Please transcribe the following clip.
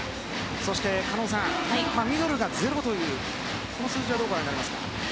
そして狩野さんミドルがゼロというこの数字はどうご覧になりますか。